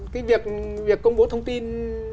cái việc công bố thông tin